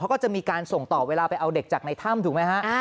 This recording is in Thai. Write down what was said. ก็จะมีการส่งต่อเวลาไปเอาเด็กจากในถ้ำถูกไหมฮะ